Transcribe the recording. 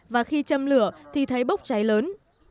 và khi châm lửa thì thấy bốc cháy lớn